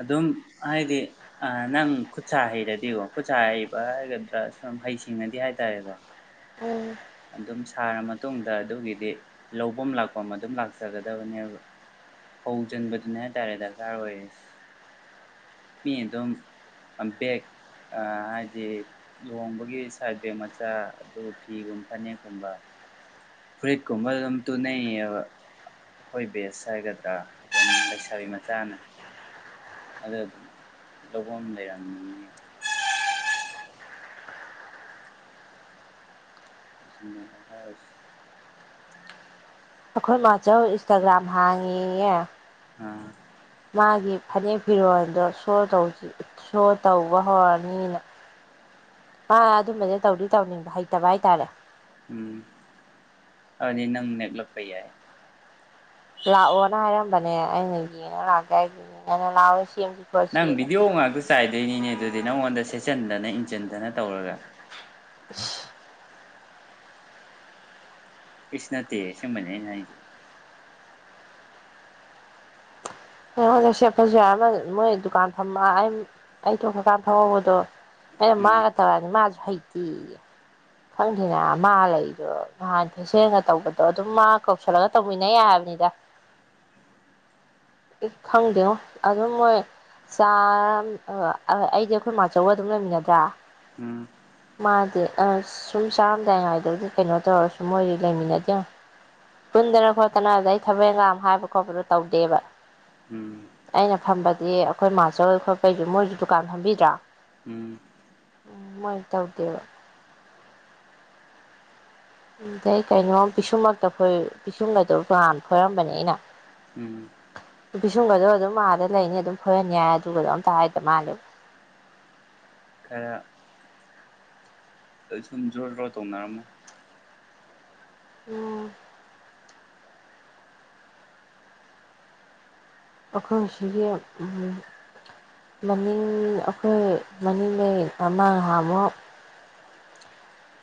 ꯑꯗꯨꯝ ꯍꯥꯏꯗꯤ ꯅꯪ ꯈꯨꯠꯁꯥ ꯍꯩꯔꯗꯤꯀꯣ ꯈꯨꯠꯁꯥ ꯍꯩꯕ ꯍꯥꯏꯒꯗ꯭ꯔꯥ ꯁꯨꯝ ꯍꯩꯁꯤꯡꯉꯗꯤ ꯍꯥꯏꯇꯥꯔꯦꯀꯣ ꯎꯝ ꯑꯗꯨꯝ ꯁꯥꯔ ꯃꯇꯨꯡꯗ ꯑꯗꯨꯒꯤꯗꯤ ꯂꯧꯕꯝ ꯂꯥꯛꯐꯝ ꯑꯗꯨꯝ ꯂꯥꯛꯆꯒꯗꯕꯅꯦꯕ ꯍꯧꯖꯤꯟꯕꯗꯨꯅꯦ ꯍꯥꯏꯇꯥꯔꯦ ꯗꯔꯀꯥꯔ ꯑꯣꯏꯔꯤꯁꯦ ꯃꯤ ꯑꯗꯨꯝ ꯕꯦꯛ ꯍꯥꯏꯗꯤ ꯂꯨꯍꯣꯡꯕꯒꯤ ꯁꯥꯏꯠ ꯕꯦꯛ ꯃꯆꯥ ꯑꯗꯨꯒ ꯐꯤꯒꯨꯝ ꯐꯅꯦꯛꯀꯨꯝꯕ ꯐꯨꯔꯤꯠꯀꯨꯝꯕ ꯑꯗꯨꯝ ꯇꯨꯅꯩꯕ ꯑꯩꯈꯣꯏ ꯕꯦꯁ ꯍꯥꯏꯒꯗ꯭ꯔꯥ ꯑꯗꯨꯝ ꯂꯩꯁꯥꯕꯤ ꯃꯆꯥꯅ ꯑꯗꯨ ꯑꯗꯨꯝ ꯂꯧꯕꯝ ꯂꯩꯔꯝꯅꯤꯕ ꯖꯤ ꯃꯦꯜ ꯗ꯭ꯔꯀꯥꯔ ꯑꯣꯏꯁ ꯑꯩꯈꯣꯏ ꯃꯥꯆꯧ ꯏꯟꯁꯇꯥꯒ꯭ꯔꯥꯝ ꯍꯥꯡꯉꯦꯌꯦ ꯑꯥ ꯃꯥꯒꯤ ꯐꯅꯦꯛ ꯐꯤꯔꯣꯜꯗꯣ ꯁꯣ ꯇꯧ ꯁꯣ ꯇꯧꯕ ꯍꯧꯔꯅꯤꯅ ꯃꯥ ꯑꯗꯨꯝꯕꯗꯤ ꯇꯧꯗꯤ ꯇꯧꯅꯤꯡꯕ ꯍꯩꯇꯕ ꯍꯥꯏꯇꯥꯔꯦ ꯎꯝ ꯑꯗꯨꯗꯤꯅꯪ ꯅꯦꯛꯂꯛꯄ ꯌꯥꯏ ꯂꯥꯛꯑꯣꯅ ꯍꯥꯏꯔꯝꯕꯅꯦ ꯑꯩꯅ ꯌꯦꯡꯉ ꯂꯥꯛꯀꯦ ꯍꯥꯏꯒꯤꯅꯦ ꯂꯥꯛꯑꯣꯁꯤ ꯅꯪꯕꯤꯗꯤꯑꯣ ꯉꯥꯛꯇ ꯆꯥꯏꯗꯣꯏꯅꯤꯅꯦ ꯑꯗꯨꯗꯤ ꯅꯪꯉꯣꯟꯗ ꯁꯦꯠꯆꯤꯟꯗꯅ ꯏꯟꯁꯤꯟꯗꯅ ꯇꯧꯔꯒ ꯑꯁ ꯏꯁꯅꯠꯇꯦ ꯑꯁꯦꯕꯅꯦ ꯑꯩ ꯍꯥꯏꯁꯦ ꯍꯣꯏꯗ ꯁꯦꯠꯄꯁꯨ ꯌꯥꯏ ꯑꯃ ꯃꯣꯏ ꯗꯨꯀꯥꯟ ꯐꯝꯕ ꯑꯩ ꯑꯩ ꯇꯣꯛꯈ꯭ꯔꯀꯥꯟ ꯐꯝꯍꯧꯕꯗꯣ ꯑꯩꯒ ꯎꯝ ꯃꯥꯒ ꯇꯧꯔꯗꯤ ꯃꯥ ꯍꯩꯇꯦꯌꯦ ꯈꯪꯗꯦꯅ ꯃꯥ ꯂꯩꯕꯔꯣ ꯅꯍꯥꯟ ꯏꯆꯦꯅ ꯇꯧꯕꯗꯣ ꯑꯗꯨꯝ ꯃꯥ ꯀꯧꯁꯜꯂꯒ ꯇꯧꯃꯤꯟꯅ ꯌꯥꯏꯕꯅꯤꯗ ꯈꯪꯗꯦ ꯉꯣ ꯑꯗꯨꯝ ꯃꯣꯏ ꯆꯥꯔꯝ ꯑꯥ ꯑꯩꯗꯤ ꯑꯩꯈꯣꯏ ꯃꯥꯆꯧꯒ ꯑꯗꯨꯝ ꯂꯩꯃꯤꯟꯅꯗ꯭ꯔꯥ ꯎꯝ ꯃꯥꯗꯤ ꯁꯨꯝ ꯆꯥꯔꯝꯗꯥꯏꯉꯥꯏꯗꯗꯤ ꯀꯩꯅꯣ ꯇꯧꯔꯁꯨ ꯃꯣꯏꯗꯤ ꯂꯩꯃꯤꯟꯅꯗꯦ ꯉꯣ ꯄꯨꯟꯗꯅ ꯈꯣꯠꯇꯅ ꯑꯗꯨꯗꯩ ꯊꯕꯛ ꯏꯪꯈꯥꯡ ꯑꯃ ꯍꯥꯏꯕ ꯈꯣꯠꯄꯗꯣ ꯇꯧꯗꯦꯕ ꯎꯝ ꯑꯩꯅ ꯐꯝꯕꯗꯤ ꯑꯩꯈꯣꯏ ꯃꯥꯆꯧ ꯈꯣꯠꯄꯩꯁꯨ ꯃꯣꯏꯁꯨ ꯗꯨꯀꯥꯟ ꯐꯝꯕꯤꯗ꯭ꯔꯥ ꯎꯝ ꯎꯝ ꯃꯣꯏ ꯇꯧꯗꯦꯕ ꯑꯗꯩ ꯀꯩꯅꯣ ꯄꯤꯁꯨꯝꯃꯛꯇ ꯐꯣꯏ ꯄꯤꯁꯨꯝꯒꯗꯣ ꯐꯣꯏꯔꯝꯕꯅꯦ ꯑꯩꯅ ꯎꯝ ꯄꯤꯁꯨꯝꯒꯗꯣ ꯑꯗꯨꯝ ꯑꯗ ꯂꯩꯅꯤ ꯑꯗꯨꯝ ꯐꯣꯏꯍꯟ ꯌꯥꯏ ꯑꯗꯨꯒꯗ ꯑꯝꯇ ꯍꯥꯏꯗ ꯃꯥꯜꯂꯦꯕ ꯈꯔ ꯑꯩ ꯁꯨꯝ ꯖ꯭ꯔꯣ ꯖ꯭ꯔꯣ ꯇꯧꯅꯔꯝꯃꯣ ꯎꯝ ꯑꯩꯈꯣꯏ ꯁꯤꯒꯤ ꯃꯅꯤꯡ ꯑꯩꯈꯣꯏ ꯃꯅꯤꯡꯗꯒꯤ ꯑꯃꯥ ꯅꯍꯥꯟꯃꯨꯛ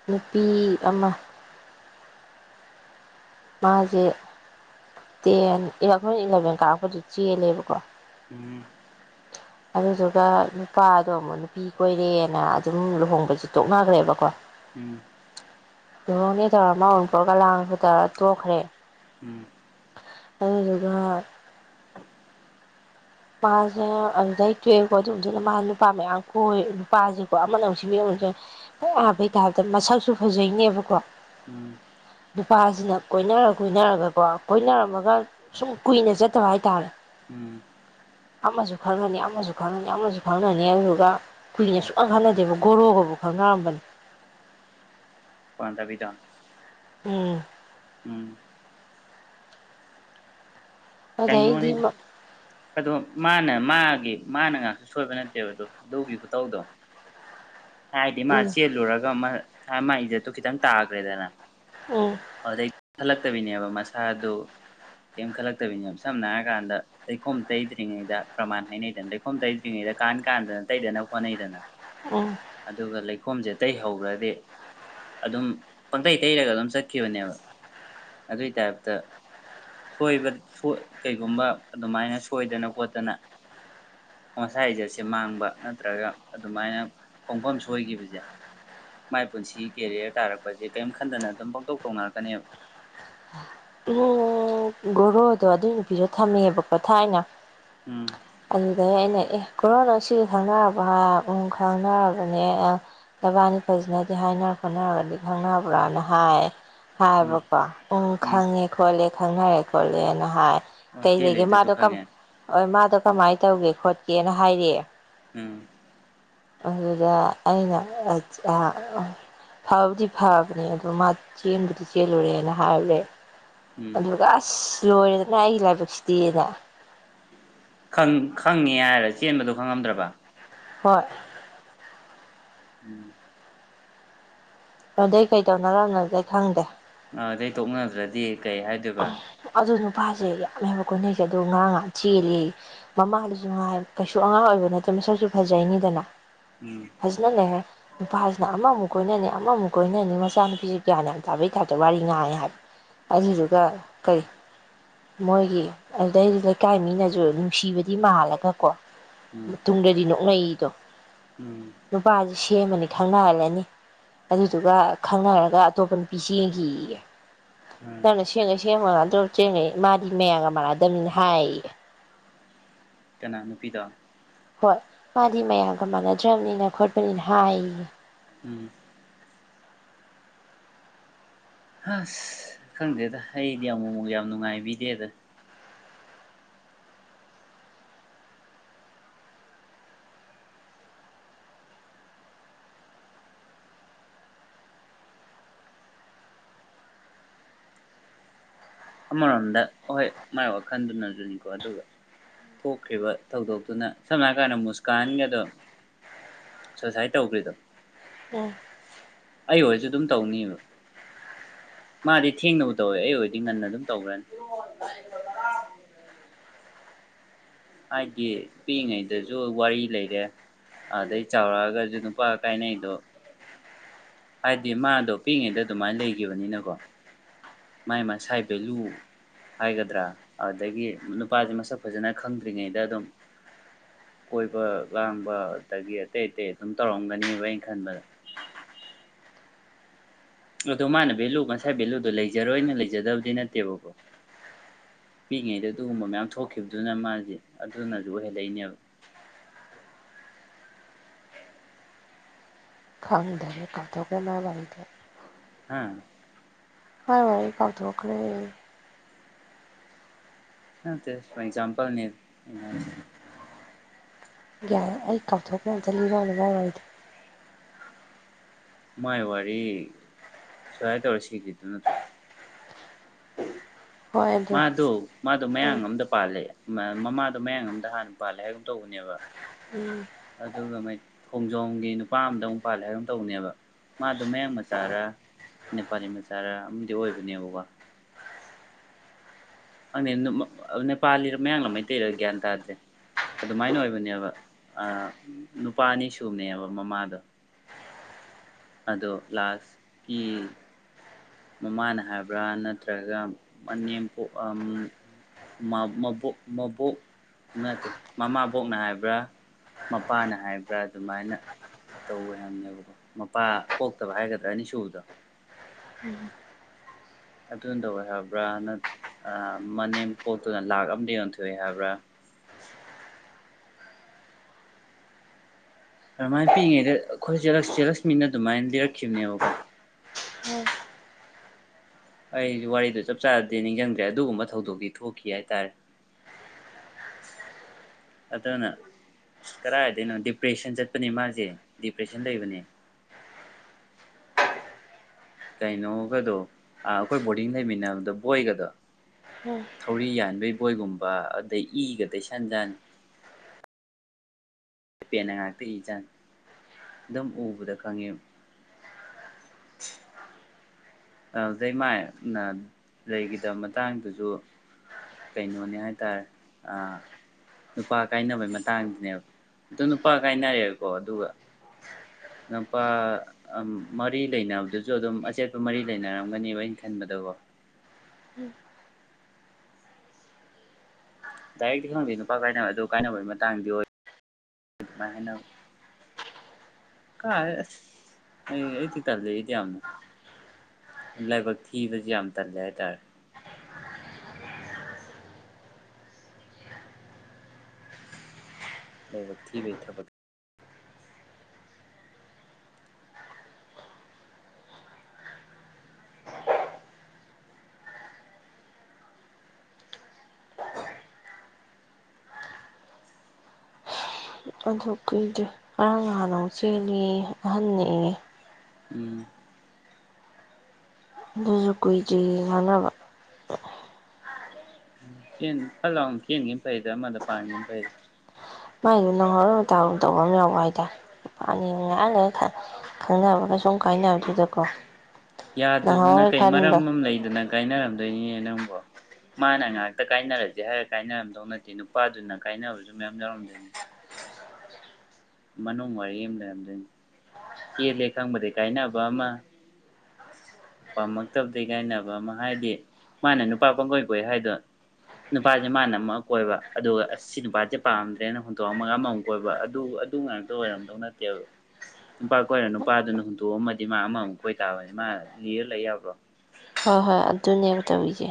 ꯅꯨꯄꯤ ꯑꯃ ꯃꯥꯁꯦ ꯇꯦꯟ ꯑꯩꯈꯣꯏ ꯏꯂꯚꯦꯟ ꯀꯥꯔꯛꯄꯗꯨꯗ ꯆꯦꯜꯂꯦꯕꯀꯣ ꯎꯝ ꯑꯗꯨꯗꯨꯒ ꯅꯨꯄꯥꯗꯣ ꯑꯃꯨꯛ ꯅꯨꯄꯤ ꯀꯣꯏꯔꯦꯅ ꯑꯗꯨꯝ ꯂꯨꯍꯣꯡꯕꯁꯨ ꯇꯣꯛꯅꯈ꯭ꯔꯦꯕꯀꯣ ꯎꯝ ꯂꯨꯍꯣꯡꯅꯤ ꯇꯧꯔꯝꯃ ꯑꯎꯟ ꯄꯣꯠꯀꯥ ꯂꯥꯡꯁꯉ ꯇꯧꯔ ꯇꯣꯛꯈ꯭ꯔꯦ ꯎꯝ ꯑꯗꯨꯗꯨꯒ ꯃꯥꯁꯦ ꯑꯗꯨꯗꯩ ꯇꯨꯌꯦꯜꯞꯀꯣ ꯑꯗꯨꯗꯨꯅ ꯃꯥ ꯅꯨꯄꯥ ꯃꯌꯥꯝ ꯀꯣꯏ ꯅꯨꯄꯥꯁꯦꯀꯣ ꯑꯃꯅ ꯑꯃꯨꯛ ꯁꯦꯝꯕꯤ ꯑꯃꯅ ꯑꯃꯨꯛ ꯁꯦꯝ ꯄꯨꯡꯌꯥ ꯌꯥꯕꯩꯒꯤ ꯇꯥꯏꯞꯇ ꯃꯁꯛꯁꯨ ꯐꯖꯩꯅꯦꯕꯀꯣ ꯎꯝ ꯅꯨꯄꯥꯁꯤꯅ ꯀꯣꯏꯅꯔ ꯀꯣꯏꯅꯔꯒꯀꯣ ꯀꯣꯏꯅꯔꯝꯃꯒ ꯁꯨꯝ ꯀꯨꯏꯅ ꯆꯠꯇꯕ ꯍꯥꯏꯇꯥꯔꯦ ꯎꯝ ꯑꯃꯁꯨ ꯈꯪꯅꯅꯤ ꯑꯃꯁꯨ ꯈꯪꯅꯅꯤ ꯑꯃꯁꯨ ꯈꯪꯅꯅꯤ ꯑꯗꯨꯗꯨꯒ ꯀꯨꯏꯅ ꯁꯨꯡꯈꯪ ꯈꯪꯅꯗꯦꯕ ꯒꯣꯔꯣꯒꯕꯨ ꯈꯪꯅꯔꯝꯕꯅꯤ ꯄꯥꯟꯗꯕꯤꯗꯥ ꯎꯝ ꯎꯝ ꯑꯗꯩꯗꯤ ꯀꯩꯅꯣꯅꯤꯗ ꯑꯗꯣ ꯃꯥꯅ ꯃꯥꯒꯤ ꯃꯥꯅ ꯉꯥꯡꯇꯥ ꯁꯣꯏꯕ ꯅꯠꯇꯦꯕ ꯑꯗꯣ ꯑꯗꯨꯒꯤ ꯈꯨꯇꯧꯗꯣ ꯍꯥꯏꯗꯤ ꯃꯥ ꯎꯝ ꯆꯦꯜꯂꯨꯔꯒ ꯃꯥ ꯑꯥ ꯃꯥꯏ ꯏꯖꯠꯇꯣ ꯈꯤꯇꯪ ꯇꯥꯈ꯭ꯔꯦꯗꯅ ꯎꯝ ꯑꯗꯨꯗꯩ ꯈꯜꯂꯛꯇꯕꯤꯅꯦꯕ ꯃꯥ ꯁꯥꯗꯣ ꯀꯦꯝ ꯈꯜꯂꯛ ꯇꯕꯤꯅꯤ ꯌꯥꯝ ꯁꯝꯅ ꯍꯥꯏꯔꯀꯥꯟꯗ ꯂꯩꯈꯣꯝ ꯇꯩꯗ꯭ꯔꯤꯉꯩꯗ ꯄ꯭ꯔꯃꯥꯟ ꯍꯩꯅꯩꯗꯅ ꯂꯩꯈꯣꯝ ꯇꯩꯗ꯭ꯔꯤꯉꯩꯗ ꯀꯥꯟ ꯀꯥꯟꯗꯅ ꯇꯩꯗꯅꯕ ꯍꯣꯠꯅꯩꯗꯅ ꯎꯝ ꯑꯗꯨꯒ ꯂꯩ ꯈꯣꯁꯦ ꯇꯩꯍꯧꯈ꯭ꯔꯗꯤ ꯑꯗꯨꯝ ꯄꯪꯇꯩꯩ ꯇꯩꯔꯒ ꯑꯗꯨꯝ ꯆꯠꯈꯤꯕꯅꯦꯕ ꯑꯗꯨꯏ ꯇꯥꯏꯞꯇ ꯁꯣꯏꯕ ꯁꯣꯏ ꯀꯩꯒꯨꯝꯕ ꯑꯗꯨꯃꯥꯏꯅ ꯁꯣꯏꯗꯅ ꯈꯣꯠꯇꯅ ꯃꯁꯥ ꯏꯖꯠꯁꯦ ꯃꯥꯡꯕ ꯅꯠꯇ꯭ꯔꯒ ꯑꯗꯨꯃꯥꯏꯅ ꯈꯣꯡꯐꯝ ꯁꯣꯏꯈꯤꯕꯁꯦ ꯃꯥꯏ ꯄꯨꯟꯁꯤꯒꯤ ꯀꯦꯔꯤꯌꯔ ꯇꯥꯔꯛꯄꯁꯦ ꯀꯑꯦꯝ ꯈꯟꯗꯅ ꯑꯗꯨꯝ ꯄꯪꯇꯧ ꯇꯧꯅꯔꯛꯀꯅꯦꯕ ꯎꯝ ꯒꯣꯔꯣꯗꯣ ꯑꯗꯨꯏ ꯅꯨꯄꯤꯗꯣ ꯊꯝꯃꯦꯕꯀꯣ ꯊꯥꯏꯅ ꯎꯝ ꯑꯗꯨꯗ ꯑꯩꯅ ꯑꯦ ꯀꯣꯔꯣ ꯑꯁꯤ ꯈꯪꯅꯔꯕ ꯎ ꯈꯪꯅꯔꯕꯅꯦ ꯅꯕꯥꯥꯟꯅꯤ ꯐꯖꯅꯗꯤ ꯍꯥꯏꯅꯔ ꯈꯣꯠꯅꯔꯒꯗꯤ ꯈꯪꯅꯕ꯭ꯔꯅ ꯍꯥꯏ ꯎꯝ ꯍꯥꯏꯕꯀꯣ ꯎꯝ ꯈꯪꯉꯦ ꯈꯣꯠꯂꯦ ꯈꯪꯅꯔꯦ ꯈꯣꯠꯂꯦꯅ ꯍꯥꯏ ꯑꯣ ꯀꯩ ꯂꯩꯒꯦ ꯆꯦꯜꯂꯤꯗꯨꯁꯨ ꯃꯥꯗꯣ ꯈꯪꯉꯦ ꯀꯃꯥꯏ ꯃꯥꯗꯣ ꯀꯃꯥꯏ ꯇꯧꯒꯦ ꯈꯣꯠꯀꯦꯅ ꯍꯥꯏꯔꯦ ꯎꯝ ꯑꯗꯨꯗ ꯑꯩꯅ ꯑꯥ ꯐꯕꯨꯗꯤ ꯐꯕꯅꯦ ꯑꯗ ꯃꯥ ꯆꯦꯟꯕꯨꯗꯤ ꯆꯦꯜꯂꯨꯔꯦꯅ ꯍꯥꯏꯔꯨꯔꯦ ꯎꯝ ꯑꯗꯨꯒ ꯂꯣꯏꯔꯦꯗꯅ ꯑꯩꯒꯤ ꯂꯥꯏꯕꯛꯁꯤꯗꯤꯗ ꯈꯪ ꯈꯪꯉꯦ ꯍꯥꯏꯔ ꯆꯦꯟꯕꯗꯨ ꯈꯪꯉꯝꯗ꯭ꯔꯕ ꯍꯣꯏ ꯎꯝ ꯑꯗꯨꯗꯩ ꯀꯩꯗꯧꯅꯔꯝꯅꯣꯗꯤ ꯈꯪꯗꯦ ꯑꯗꯩ ꯇꯣꯛꯅꯗ꯭ꯔꯗꯤ ꯀꯩ ꯍꯥꯏꯗꯨꯕ ꯑꯗꯨ ꯅꯨꯄꯥꯁꯦ ꯌꯥꯝꯃꯦꯕ ꯀꯣꯏꯅꯩꯁꯦ ꯑꯗꯣ ꯉꯔꯥꯡ ꯉꯍꯥꯡ ꯆꯦꯜꯂꯤ ꯃꯃꯥꯗꯁꯨ ꯉꯥꯏ ꯀꯩꯁꯨ ꯑꯉꯥꯡ ꯑꯣꯏꯕ ꯅꯠꯇꯦ ꯃꯁꯛꯁꯨ ꯐꯖꯩꯅꯤꯗꯅ ꯎꯝ ꯐꯖꯅ ꯅꯨꯄꯥꯖꯤꯅ ꯑꯃꯕꯃꯨꯛ ꯀꯣꯏꯅꯅꯤ ꯑꯃꯃꯨꯛ ꯀꯣꯏꯅꯅꯤ ꯃꯆꯥꯅꯨꯄꯤꯁꯦ ꯒ꯭ꯌꯥꯟ ꯌꯥꯝ ꯇꯥꯕꯩ ꯇꯞꯇ ꯋꯥꯔꯤ ꯉꯥꯡꯉꯦ ꯍꯥꯏꯕ ꯑꯗꯨꯁꯨ ꯑꯗꯨꯒ ꯀꯔꯤ ꯃꯣꯏꯒꯤ ꯑꯗꯩ ꯂꯩꯀꯥꯏ ꯃꯤꯅꯁꯨ ꯅꯨꯡꯁꯤꯕ ꯁꯤ ꯃꯥꯜꯂꯒꯀꯣ ꯎꯝ ꯃꯇꯨꯡꯗꯗꯤ ꯅꯣꯛꯅꯩꯗꯣ ꯎꯝ ꯅꯨꯄꯥꯖ ꯁꯦꯝꯃꯅꯤ ꯈꯪꯅꯍꯜꯂꯅꯤ ꯑꯗꯨꯗꯨꯒ ꯈꯪꯅꯔꯒ ꯑꯇꯣꯞꯄ ꯅꯨꯄꯤ ꯆꯦꯟꯒꯤꯌꯦ ꯎꯝ ꯃꯥꯗꯤ ꯃꯌꯥꯝꯒ ꯃꯥꯟꯅꯗꯕꯅꯤꯅ ꯍꯥꯏꯌꯦ ꯀꯅꯥ ꯅꯨꯄꯤꯗꯣ ꯍꯣꯏ ꯃꯥꯗꯤ ꯃꯌꯥꯝꯒ ꯃꯥꯟꯅꯗ꯭ꯔꯕꯅꯤꯅ ꯈꯣꯠꯄꯅꯤꯅ ꯍꯥꯏꯌꯦ ꯎꯝ ꯑꯁ ꯈꯪꯗꯦꯗ ꯑꯩꯗꯤ ꯑꯃꯨꯛ ꯑꯃꯨꯛ ꯌꯥꯝ ꯅꯨꯡꯉꯥꯏꯕꯤꯗꯦꯗ ꯑꯃꯔꯣꯝꯗ ꯑꯍꯣꯏ ꯃꯥꯏ ꯋꯥꯈꯟꯗꯨꯅꯖꯅꯤꯀꯣ ꯑꯗꯨꯒ ꯊꯣꯛꯈ꯭ꯔꯤꯕ ꯊꯧꯗꯣꯛꯇꯨꯅ ꯁꯝꯅ ꯍꯥꯏ ꯀꯥꯟꯗ ꯃꯨꯁꯀꯥꯟꯒꯗꯣ ꯁꯨꯁꯥꯏꯠ ꯇꯧꯈ꯭ꯔꯤꯗꯣ ꯎꯝ ꯑꯩ ꯑꯣꯏꯔꯁꯨ ꯑꯗꯨꯝ ꯇꯧꯅꯤꯕ ꯃꯥꯗꯤ ꯊꯦꯡꯅꯕꯨ ꯇꯧꯋꯦ ꯑꯩ ꯑꯣꯏꯔꯗꯤ ꯉꯟꯅ ꯑꯗꯨꯝ ꯇꯧꯈ꯭ꯔꯅꯤ ꯍꯥꯏꯗꯤ ꯄꯤꯛꯏꯉꯩꯗꯁꯨ ꯋꯥꯔꯤ ꯂꯩꯔꯦ ꯑꯗꯩ ꯆꯥꯎꯔꯛꯑꯒꯁꯨ ꯅꯨꯄꯥꯒ ꯀꯥꯏꯅꯩꯗꯣ ꯍꯥꯏꯗꯤ ꯃꯥꯗꯣ ꯄꯤꯛꯏꯉꯩꯗ ꯑꯗꯨꯃꯥꯏꯅ ꯂꯩꯈꯤꯕꯅꯤꯅꯀꯣ ꯃꯥꯏ ꯃꯥꯥꯏ ꯁꯥꯏꯠ ꯚꯦꯂꯨ ꯍꯥꯏꯒꯗ꯭ꯔꯥ ꯑꯗꯨꯗꯒꯤ ꯅꯨꯄꯥꯁꯦ ꯃꯁꯛ ꯐꯖꯅ ꯈꯪꯗ꯭ꯔꯤꯉꯩꯗ ꯑꯗꯨꯝ ꯀꯣꯏꯕ ꯂꯥꯡꯕ ꯑꯗꯒꯤ ꯑꯇꯩ ꯑꯇꯩ ꯑꯗꯨꯝ ꯇꯧꯔꯝꯒꯅꯦꯕ ꯑꯩꯅ ꯈꯟꯕꯗ ꯑꯗꯣ ꯃꯥꯅ ꯚꯦꯂꯨ ꯉꯁꯥꯏ ꯚꯦꯂꯨꯗꯣ ꯂꯩꯖꯔꯣꯏꯅ ꯂꯩꯖꯗꯕꯗꯤ ꯅꯠꯇꯦꯕꯀꯣ ꯄꯤꯛꯏꯉꯩꯗ ꯑꯗꯨꯒꯨꯝꯕ ꯃꯌꯥꯝ ꯊꯣꯛꯈꯤꯕꯗꯨꯅ ꯃꯥꯁꯦ ꯑꯗꯨꯅꯁꯨ ꯑꯣꯏꯍꯜꯂꯛꯏꯅꯦꯕ ꯈꯪꯗꯔꯦ ꯀꯎꯊꯣꯛꯈꯔꯦ ꯃꯥꯏ ꯋꯥꯔꯤꯗꯣ ꯍꯥꯥ ꯃꯥꯏ ꯋꯥꯔꯤ ꯀꯥꯎ ꯊꯣꯛꯈꯔꯦ ꯅꯠꯇꯦꯗ ꯑꯦꯛꯖꯥꯝꯄꯜꯅꯤꯗ ꯑꯩꯅ ꯍꯥꯏꯖ ꯍꯦ ꯑꯩ ꯀꯥꯎꯞꯊꯣꯛꯈ꯭ꯔꯦ ꯑꯝꯇ ꯂꯤꯔꯛꯑꯣ ꯃꯥꯏ ꯋꯥꯔꯤꯗꯣ ꯃꯥꯏ ꯋꯥꯔꯤ ꯁꯨꯃꯥꯏ ꯇꯧꯔ ꯁꯤꯒꯤꯗꯣꯏ ꯅꯠꯇ꯭ꯔꯣ ꯋꯥꯔꯤꯗꯣ ꯍꯣꯏ ꯑꯗꯨ ꯃꯥꯗꯣ ꯃꯥꯗꯣ ꯃꯌꯥꯡ ꯑꯝꯗ ꯄꯥꯜꯂꯦ ꯃꯃꯥꯗꯣ ꯃꯌꯥꯡ ꯑꯃꯝꯗ ꯍꯥꯟꯅ ꯄꯥꯜꯂꯦ ꯍꯥꯏꯒꯨꯝ ꯇꯧꯕꯅꯦꯕ ꯎꯝ ꯑꯗꯨꯒ ꯃꯩ ꯈꯣꯡꯖꯣꯝꯒꯤ ꯅꯨꯄꯥ ꯑꯝꯗ ꯑꯃꯨꯛ ꯄꯥꯜꯂꯦ ꯍꯥꯏꯒꯨꯝ ꯇꯧꯕꯅꯦꯕ ꯃꯥꯗꯣ ꯃꯌꯥꯡ ꯃꯆꯥꯔꯥ ꯅꯦꯄꯥꯂꯤ ꯃꯆꯥꯔ ꯑꯃꯗꯤ ꯑꯣꯏꯕꯅꯦꯕꯀꯣ ꯈꯟꯗꯦ ꯅꯦꯄꯥꯂꯤꯔ ꯃꯌꯥꯡꯂ ꯃꯩꯇꯩꯔ ꯒ꯭ꯌꯥꯟ ꯇꯥꯗ꯭ꯔꯦ ꯑꯗꯨꯃꯥꯏꯅ ꯑꯣꯏꯕꯅꯦꯕ ꯑꯥ ꯅꯨꯄꯥ ꯑꯅꯤ ꯁꯨꯕꯅꯦꯕ ꯃꯃꯥꯗꯣ ꯑꯗꯣ ꯂꯥꯁꯀꯤ ꯃꯃꯥꯅ ꯍꯥꯏꯕ꯭ꯔꯥ ꯅꯠꯇ꯭ꯔꯒ ꯃꯅꯦꯝ ꯕꯣꯛ ꯎꯝ ꯃꯕꯣꯛ ꯃꯕꯣꯛ ꯅꯠꯇꯦ ꯃꯃꯥꯕꯣꯛꯅ ꯍꯥꯏꯕ꯭ꯔꯥ ꯃꯄꯥꯅ ꯍꯥꯏꯕ꯭ꯔꯥ ꯑꯗꯨꯃꯥꯏꯅ ꯇꯧꯋꯦ ꯍꯥꯏꯕꯅꯦꯕꯀꯣ ꯃꯄꯥ ꯄꯣꯛꯇꯕ ꯍꯥꯏꯒꯗ꯭ꯔꯥ ꯑꯅꯤ ꯁꯨꯕꯗꯣ ꯑꯗꯨꯅ ꯇꯧꯋꯦ ꯍꯥꯏꯕ꯭ꯔꯥ ꯅꯠ ꯃꯅꯦꯝ ꯄꯣꯠꯇꯨꯅ ꯂꯥꯛ ꯑꯝꯗ ꯌꯣꯟꯊꯣꯛꯑꯦ ꯍꯥꯏꯕ꯭ꯔꯥ ꯑꯗꯨꯃꯥꯏꯅ ꯄꯤꯛꯏꯉꯩꯗ ꯑꯩꯈꯣꯏ ꯆꯦꯂꯛꯁꯃꯤꯅ ꯑꯗꯨꯃꯥꯏꯅ ꯂꯤꯔꯛꯈꯤꯕꯅꯦꯕꯀꯣ ꯎꯝ ꯑꯩꯁꯨ ꯋꯥꯔꯤꯗꯨ ꯆꯞ ꯆꯥꯅꯗꯤ ꯅꯤꯡꯁꯤꯡꯗ꯭ꯔꯦ ꯑꯗꯨꯒꯨꯝꯕ ꯊꯧꯗꯣꯛꯇꯤ ꯊꯣꯛꯈꯤ ꯍꯥꯏꯇꯥꯔꯦ ꯑꯗꯨꯅ ꯑꯁ ꯀꯗꯥꯏꯗꯩꯅꯣ ꯗꯤꯄ꯭ꯔꯦꯁꯟ ꯆꯠꯄꯅꯤ ꯃꯥꯁꯦ ꯗꯤꯄ꯭ꯔꯦꯁꯟ ꯂꯩꯕꯅꯦ ꯀꯩꯅꯣꯒꯗꯣ ꯑꯩꯈꯣꯏ ꯕꯣꯔꯗꯤꯡ ꯂꯩꯃꯤꯟꯅꯕꯗ ꯕꯣꯏꯒꯗꯣ ꯎꯝ ꯎꯝ ꯊꯧꯔꯤ ꯌꯥꯟꯕꯩ ꯕꯣꯏꯒꯨꯝꯕ ꯑꯗꯩ ꯏꯒ ꯇꯩꯁꯤꯟꯖꯥꯅꯤ ꯄꯦꯟꯅ ꯉꯥꯛꯇ ꯏꯖꯥꯟꯅꯤ ꯑꯗꯨꯝ ꯎꯕꯗ ꯈꯪꯉꯦꯕ ꯑꯗꯨꯗꯩ ꯃꯥ ꯂꯩꯈꯤꯗꯕ ꯃꯇꯥꯡꯗꯨꯁꯨ ꯀꯩꯅꯣꯅꯦ ꯍꯥꯏ ꯇꯔꯦ ꯑꯥ ꯅꯨꯄꯥ ꯀꯥꯏꯅꯕꯩ ꯃꯇꯥꯡꯗꯨꯅꯦꯕ ꯑꯗꯨ ꯅꯨꯄꯥ ꯀꯥꯏꯅꯔꯦꯕꯀꯣ ꯑꯗꯨꯒ ꯅꯨꯄꯥ ꯃꯔꯤ ꯂꯩꯅꯕꯗꯨꯁꯨ ꯑꯗꯨꯝ ꯑꯆꯦꯠꯄ ꯃꯔꯤ ꯂꯩꯅꯔꯝꯒꯅꯦꯕ ꯑꯩꯅ ꯈꯟꯕꯗꯀꯣ ꯎꯝ ꯗꯥꯏꯔꯦꯛꯇꯤ ꯈꯪꯗꯩ ꯅꯨꯄꯥ ꯀꯥꯏꯅꯕ ꯑꯗꯨ ꯀꯥꯏꯅꯕꯒꯤ ꯃꯇꯥꯡꯗꯤ ꯑꯣꯏ ꯑꯗꯨꯃꯥꯏ ꯍꯥꯏꯅꯕꯅꯤ ꯀꯥꯏꯗꯩ ꯑꯁ ꯑꯩ ꯑꯩꯗꯤ ꯇꯜꯂꯤ ꯑꯩꯗꯤ ꯌꯥꯝꯅ ꯂꯥꯏꯕꯛ ꯊꯤꯕꯁꯤ ꯌꯥꯝ ꯇꯜꯂꯤ ꯍꯥꯏꯇꯥꯔꯦ ꯂꯥꯏꯕꯛ ꯊꯤꯕꯩ ꯊꯕꯛ ꯑꯗꯨ ꯀꯨꯏꯗꯦ ꯉꯔꯥꯡ ꯉꯍꯥꯟ ꯑꯃꯨꯛ ꯆꯦꯜꯂꯦꯌꯦ ꯑꯍꯟꯅꯦꯌꯦ ꯎꯝ ꯑꯗꯨꯁꯨ ꯀꯨꯏꯗ꯭ꯔꯤ ꯉꯥꯡꯅꯕ ꯆꯦꯟ ꯐꯠ ꯂꯥꯎ ꯆꯦꯟꯒꯤꯕꯅ ꯐꯩꯗ ꯑꯃꯗ ꯄꯥꯟꯒꯤꯕꯅ ꯐꯩꯗ ꯃꯥꯏꯗꯣ ꯅꯪ ꯍꯧꯔꯣꯢ ꯃꯇꯥꯒꯨꯝ ꯇꯧꯕ ꯑꯃ ꯌꯥꯎꯕ ꯍꯥꯏꯇꯥꯔꯦ ꯄꯥꯅꯤꯉꯤ ꯉꯥꯛ ꯂꯩꯔ ꯈꯪꯅꯕꯒꯩ ꯁꯨꯝ ꯀꯥꯏꯅꯕꯗꯨꯗꯀꯣ ꯌꯥꯗꯗꯅ ꯅꯪꯍꯧꯔꯣꯏ ꯀꯩ ꯃꯔꯝ ꯈꯟꯕ ꯑꯃ ꯂꯩꯗꯅ ꯀꯥꯏꯅꯔꯝꯗꯣꯏꯅꯦ ꯅꯪꯕꯣ ꯃꯥꯅ ꯉꯥꯛꯇ ꯀꯥꯏꯅꯔꯁꯦ ꯍꯥꯏꯔꯒ ꯀꯥꯏꯅꯔꯝꯗꯧ ꯅꯠꯇꯦ ꯅꯨꯄꯥꯗꯨꯅ ꯀꯥꯏꯅꯕꯁꯨ ꯃꯌꯥꯝ ꯌꯥꯎꯔꯝꯗꯣꯏꯅꯤ ꯃꯅꯨꯡ ꯋꯥꯔꯤ ꯑꯃ ꯂꯩꯔꯝꯗꯣꯏꯅꯤ ꯆꯦꯜꯂꯦ ꯈꯪꯕꯗꯩ ꯀꯥꯏꯅꯕ ꯑꯃ ꯄꯥꯝꯃꯛꯇꯕꯗꯩ ꯀꯥꯏꯅꯕ ꯑꯃ ꯍꯥꯏꯗꯤ ꯃꯥꯅ ꯅꯨꯄꯥ ꯄꯡꯀꯣꯏ ꯀꯣꯏ ꯍꯥꯏꯗꯣ ꯅꯨꯄꯥꯁꯦ ꯃꯥꯅ ꯑꯃ ꯀꯣꯏꯕ ꯑꯗꯨꯒ ꯑꯁ ꯁꯤ ꯅꯨꯄꯥꯁꯦ ꯄꯥꯝꯗ꯭ꯔꯦꯅ ꯍꯨꯟꯇꯣꯛꯑꯃꯒ ꯑꯃꯃꯨꯛ ꯀꯣꯏꯕ ꯑꯗꯨ ꯑꯗꯨ ꯉꯥꯛꯇ ꯑꯣꯏꯔꯝꯗꯧ ꯅꯠꯇꯦꯕ ꯅꯨꯄꯥ ꯀꯣꯏꯔ ꯅꯨꯄꯥꯗꯨꯅ ꯍꯨꯟꯇꯣꯛꯑꯝꯃꯗꯤ ꯃꯥ ꯑꯃꯃꯨꯛ ꯀꯣꯏ ꯇꯥꯕꯅꯤ ꯃꯥ ꯂꯤꯔ ꯂꯩ ꯌꯥꯕ꯭ꯔꯣ ꯍꯣꯏ ꯍꯣꯏ ꯑꯗꯨꯅꯦꯕ ꯇꯧꯔꯤꯁꯦ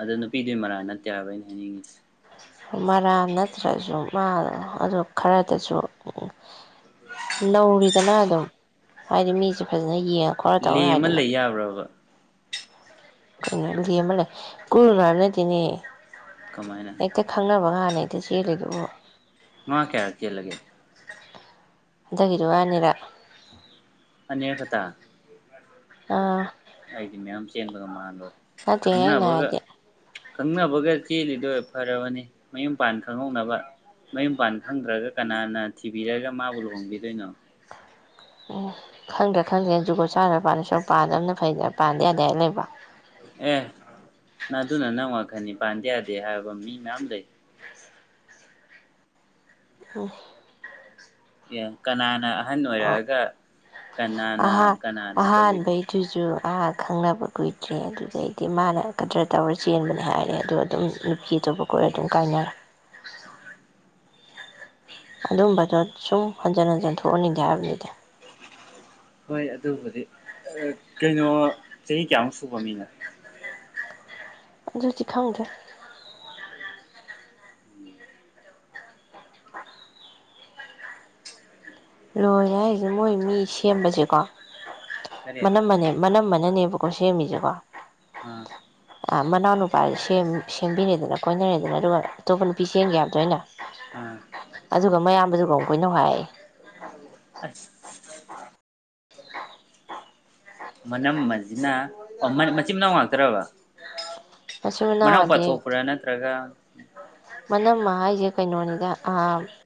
ꯑꯗꯨ ꯅꯨꯄꯤꯗꯨꯏ ꯃꯔꯥꯜ ꯅꯠꯇꯦꯕ ꯑꯩꯅ ꯍꯥꯏꯅꯤꯡꯉꯤꯁꯤ ꯃꯔꯥꯜ ꯅꯠꯇ꯭ꯔꯁꯨ ꯃꯥ ꯑꯗꯨ ꯈꯔꯗꯁꯨ ꯅꯧꯔꯤꯗꯅ ꯑꯗꯨꯝ ꯍꯥꯏꯗꯤ ꯃꯤꯁꯦ ꯐꯖꯅ ꯌꯦꯡ ꯈꯣꯠꯂ ꯇꯧ ꯂꯦꯝꯃ ꯌꯥꯏꯗꯅ ꯂꯩ ꯌꯥꯕ꯭ꯔꯕ ꯂꯦꯝꯃ ꯂꯩꯌꯨ ꯀꯣꯢꯔꯨꯅꯨ ꯍꯥꯏꯕ ꯅꯠꯇꯦꯅꯦ ꯀꯃꯥꯏꯅ ꯑꯩꯛꯇ ꯈꯪꯅꯕ ꯍꯥꯟ ꯍꯦꯛꯇ ꯆꯦꯜꯂꯤꯗꯨꯕꯨ ꯃꯥ ꯀꯌꯥꯔꯛ ꯆꯦꯜ ꯂꯒꯦ ꯍꯟꯗꯛꯀꯤꯗꯨꯒ ꯑꯅꯤꯔꯛ ꯑꯅꯤꯔꯛ ꯈꯇ ꯑꯥ ꯑꯩꯗꯤ ꯃꯌꯥꯝ ꯆꯦꯟꯕꯒ ꯃꯥꯂꯨꯔꯦ ꯅꯇꯦ ꯑꯩꯅ ꯍꯥꯏꯗꯤ ꯈꯪꯅꯕꯒ ꯆꯦꯜꯂꯤꯗꯣꯏ ꯐꯔꯕꯅꯤ ꯃꯌꯨꯝ ꯄꯥꯟ ꯈꯪꯍꯧꯅꯕ ꯃꯌꯨꯝ ꯄꯥꯟ ꯈꯪꯗ꯭ꯔꯒ ꯀꯅꯥꯅ ꯊꯤꯕꯤꯔꯒ ꯃꯥꯕꯨ ꯂꯨꯍꯣꯡꯕꯤꯗꯣꯏꯅꯣ ꯎꯝ ꯈꯪꯗ꯭ꯔꯦ ꯈꯪꯗ꯭ꯔꯦ ꯖꯨꯒꯣꯠ ꯆꯥꯗꯕ ꯄꯟꯗꯣꯏ ꯁꯔꯨꯛ ꯄꯥꯗꯕꯝꯅ ꯐꯩꯗ ꯄꯥꯟꯗ ꯌꯥꯗꯦ ꯍꯥꯌꯕꯥ ꯂꯩꯕꯔꯣ ꯑꯦ ꯅ ꯑꯗꯨꯅ ꯅꯪ ꯋꯥꯈꯟꯅꯤ ꯄꯥꯟꯗ ꯌꯥꯗꯦ ꯍꯥꯏꯕ ꯃꯤ ꯃꯌꯥꯝ ꯂꯩ [inaudible] ꯌꯦ ꯀꯅꯥꯅ ꯑꯍꯟ ꯑꯣꯏꯔꯛꯑꯒ ꯀꯅꯥꯅ ꯑꯍꯥ ꯀꯅꯥꯅ ꯇꯧꯕꯤꯗꯣꯌ ꯑꯍꯥꯟꯕꯩꯗꯨꯁꯨ ꯑꯥ ꯈꯪꯅꯕ ꯀꯨꯏꯗ꯭ꯔꯦ ꯑꯗꯨꯗꯩꯗꯤ ꯃꯥꯅ ꯀꯗ꯭ꯔ ꯇꯧꯔ ꯆꯦꯟꯕꯅꯦ ꯍꯥꯏꯔꯦ ꯑꯗꯣ ꯑꯗꯨꯝ ꯅꯨꯄꯤ ꯑꯇꯣꯞꯄ ꯀꯣꯏꯔ ꯑꯗꯨꯝ ꯀꯥꯏꯅꯔꯦ ꯑꯗꯨꯝꯕꯗꯣ ꯁꯨꯝ ꯍꯟꯖꯤꯟ ꯍꯟꯖꯤꯟ ꯊꯣꯛꯍꯟꯅꯤꯡꯗꯦ ꯍꯥꯏꯕꯅꯤꯗ ꯍꯣꯏ ꯑꯗꯨꯕꯨꯗꯤ ꯀꯩꯅꯣ ꯆꯍꯤ ꯀꯌꯥꯃꯨꯛ ꯁꯨꯕ ꯃꯤꯅꯣ ꯑꯗꯨꯗꯤ ꯈꯪꯗꯔꯦ ꯂꯣꯏꯔꯦ ꯍꯥꯏꯁꯦ ꯃꯣꯏ ꯃꯤ ꯁꯦꯝꯕꯁꯦꯀꯣ ꯀꯔꯤ ꯃꯅꯝꯃꯅꯦ ꯃꯅꯝꯃ ꯅꯥꯅꯦꯕꯥꯀꯣ ꯁꯦꯝꯃꯤꯁꯦꯀꯣ ꯑꯥ ꯃꯅꯥꯎ ꯅꯨꯄꯥꯁꯦ ꯁꯦꯝ ꯁꯦꯝꯕꯤꯔꯦꯗꯅ ꯀꯣꯏꯅꯔꯦꯗꯅ ꯑꯗꯨꯒ ꯑꯇꯣꯞꯄ ꯅꯨꯄꯤ ꯆꯦꯟꯒꯤ ꯌꯥꯕꯗꯣ ꯑꯩꯅꯥ ꯑꯥ ꯑꯗꯨꯒ ꯃꯌꯥꯝꯕꯗꯨ ꯀꯣꯏꯅꯧ ꯍꯥꯏ ꯑꯁ ꯃꯅꯝꯃꯁꯤꯅꯥ ꯃꯆꯤꯟ ꯃꯅꯥꯎ ꯉꯥꯛꯇ꯭ꯔꯕ ꯃꯆꯤꯟ ꯃꯅꯥꯎꯗꯤ ꯃꯅꯥꯎꯄꯥꯊꯣꯛꯄ꯭ꯔꯥ ꯅꯠꯇ꯭ꯔꯒ ꯃꯅꯝꯃ ꯍꯥꯏꯁꯦ ꯀꯩꯅꯣꯅꯤꯗ ꯑ